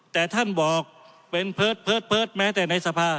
แต่ท่านบอกเป็นเพิร์ตแม้แต่ในสภา